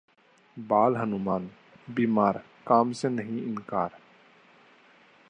'बाल हनुमान' बीमार, काम से नहीं इनकार